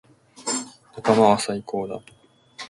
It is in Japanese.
仲間は最高だ。